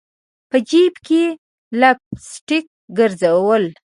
په جیب کي لپ سټک ګرزول